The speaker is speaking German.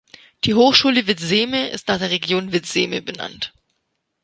Die Hochschule Vidzeme ist nach der Region Vidzeme benannt.